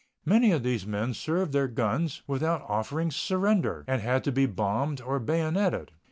Many of these men served their guns without offering surrender, and had to be bombed or bayoneted.